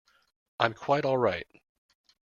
I'm quite all right.